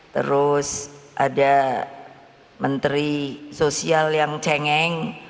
terus ada menteri sosial yang cengeng